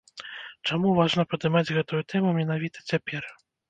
Чаму важна падымаць гэтую тэму менавіта цяпер?